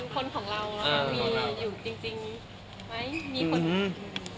คนของเรามีอยู่จริงไหมมีคน